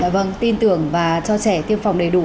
vâng tin tưởng và cho trẻ tiêm phòng đầy đủ